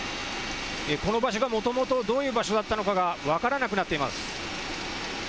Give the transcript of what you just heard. この場所がもともとどういう場所だったのかが分からなくなっています。